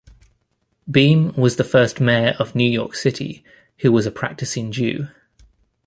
Beame was the first mayor of New York City who was a practicing Jew.